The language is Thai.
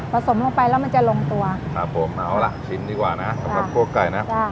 ผสมลงไปแล้วมันจะลงตัวครับผมเอาล่ะชิมดีกว่านะครับสำหรับพวกไก่น่ะใช่